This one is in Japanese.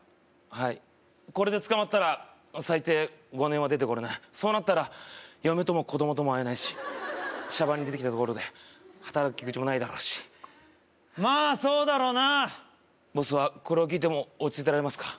はいこれで捕まったら最低５年は出てこれないそうなったら嫁とも子供とも会えないしシャバに出てきたところで働き口もないだろうしまあそうだろうなボスはこれを聞いても落ち着いてられますか？